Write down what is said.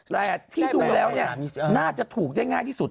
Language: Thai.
แต่ที่ดูแล้วเนี่ยน่าจะถูกได้ง่ายที่สุด